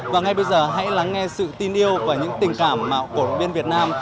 và ngay bây giờ hãy lắng nghe sự tin yêu và những tình cảm mà cổ động viên việt nam